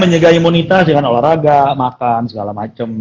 menjaga imunitas dengan olahraga makan segala macam